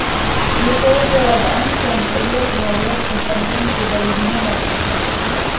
მიუხედავად ამისა, იმპერიას რეალურად კონსტანტინეს დედა, ირინე მართავდა.